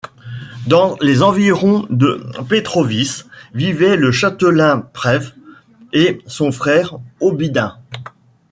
Dans les environs de Petrovice vivaient le châtelain Petr et son frère Obiden.